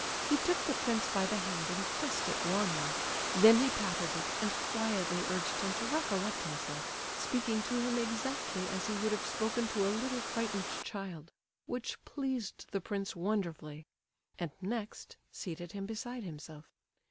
He took the prince by the hand and pressed it warmly; then he patted it, and quietly urged him to recollect himself—speaking to him exactly as he would have spoken to a little frightened child, which pleased the prince wonderfully; and next seated him beside himself.